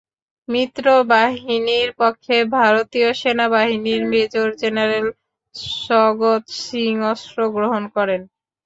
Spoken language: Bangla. মিত্রবাহিনীর পক্ষে ভারতীয় সেনাবাহিনীর মেজর জেনারেল সগৎ সিং অস্ত্র গ্রহণ করেন।